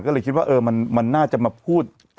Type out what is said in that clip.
ก็เลยคิดว่ามันน่าจะมาพูด